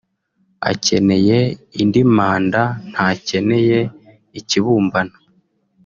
Akeneye indi manda ntakeneye ikibumbano